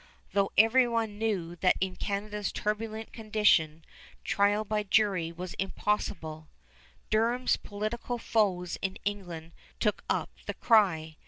Though every one knew that in Canada's turbulent condition trial by jury was impossible, Durham's political foes in England took up the cry.